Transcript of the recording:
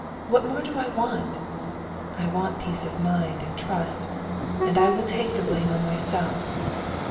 What more do I want? I want peace of mind and trust, and I will take the blame on myself.